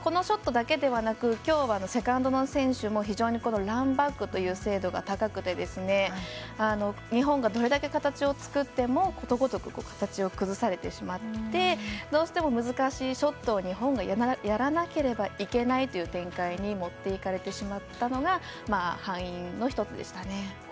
このショットだけではなくきょうはセカンドの選手も非常にランバックの精度が高くて日本がどれだけ形を作ってもことごとく形を崩されてしまってどうしても難しいショットを日本がやらなければいけない展開に持っていかれてしまったのが敗因の１つでしたね。